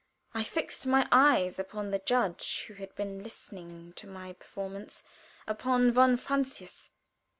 I fixed my eyes upon the judge who had been listening to my performance upon von Francius.